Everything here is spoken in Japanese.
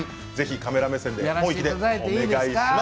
カメラ目線でお願いします。